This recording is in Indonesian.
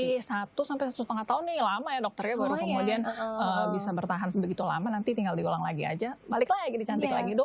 ini satu sampai satu lima tahun nih lama ya dokter ya baru kemudian bisa bertahan sebegitu lama nanti tinggal diulang lagi aja balik lagi dicantik lagi dok